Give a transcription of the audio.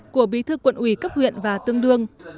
của bí thư quận ủy cấp huyện và tương đương